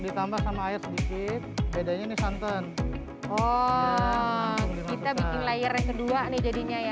ditambah sama air sedikit bedanya nih santan oh kita bikin layer yang kedua nih jadinya ya